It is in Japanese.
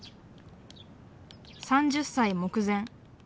３０歳目前。